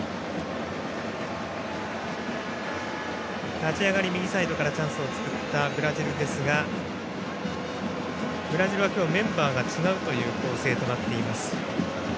立ち上がり、右サイドからチャンスを作ったブラジルですがブラジルは今日メンバーが違う構成です。